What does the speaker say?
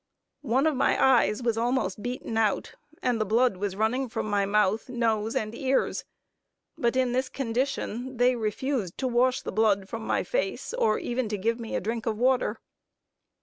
One of my eyes was almost beaten out, and the blood was running from my mouth, nose and ears; but in this condition they refused to wash the blood from my face, or even to give me a drink of water.